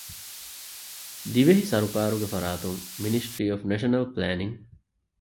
ދިވެހި ސަރުކާރުގެ ފަރާތުން މިނިސްޓްރީ އޮފް ނޭޝަނަލް ޕްލޭނިންގ،